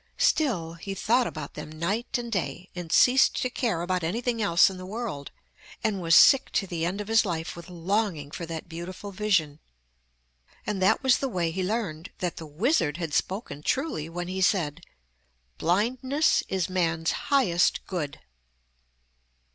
Still, he thought about them night and day, and ceased to care about anything else in the world, and was sick to the end of his life with longing for that beautiful vision. And that was the way he learned that the wizard had spoken truly when he said, 'Blindness is man's highest good.